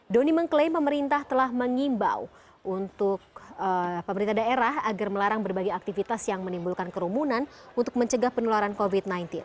doni mengklaim pemerintah telah mengimbau untuk pemerintah daerah agar melarang berbagai aktivitas yang menimbulkan kerumunan untuk mencegah penularan covid sembilan belas